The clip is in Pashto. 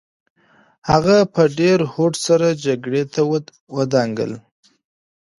هغه په ډېر هوډ سره جګړې ته ودانګل.